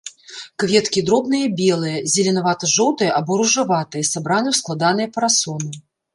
Кветкі дробныя белыя, зелянява-жоўтыя або ружаватыя, сабраны ў складаныя парасоны.